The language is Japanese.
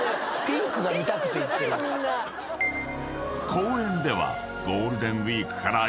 ［公園では］